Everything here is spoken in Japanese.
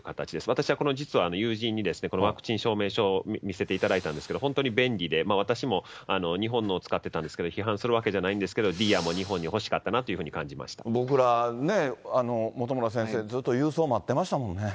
私は実は友人に、このワクチン証明書を見せていただいたんですけど、本当に便利で、私も日本のを使っていたんですけれども、批判するわけじゃないんですけど、ディーアも日本に欲しかっ僕らね、本村先生、ずっと郵ですね。